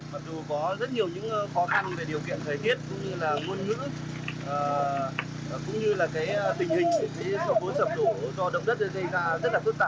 mặc dù có rất nhiều những khó khăn về điều kiện thời tiết cũng như là ngôn ngữ cũng như là tình hình của số bốn sập đổ do động đất gây ra rất là phức tạp